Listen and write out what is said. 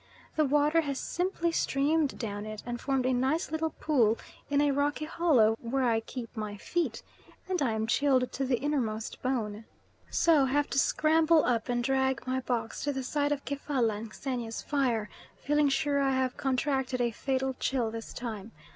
The water has simply streamed down it, and formed a nice little pool in a rocky hollow where I keep my feet, and I am chilled to the innermost bone, so have to scramble up and drag my box to the side of Kefalla and Xenia's fire, feeling sure I have contracted a fatal chill this time.